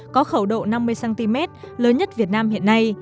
có khẩu độ năm mươi cm lớn nhất việt nam hiện nay